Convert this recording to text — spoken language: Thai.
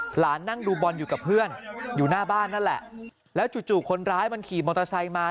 นั่งดูบอลอยู่กับเพื่อนอยู่หน้าบ้านนั่นแหละแล้วจู่คนร้ายมันขี่มอเตอร์ไซค์มา